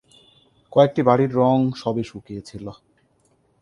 কয়েকটি বাড়ির রঙ সবে শুকিয়ে ছিল।